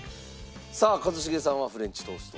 一茂さんはフレンチトースト。